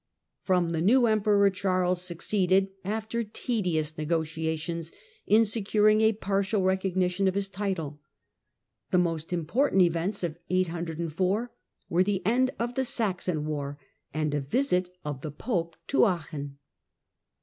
From the new Emperor Charles succeeded, after tedious negotiations, in securing a partial recognition of his title. The most important events of 804 were the end of the Saxon war and a visit of the Pope to Aachen.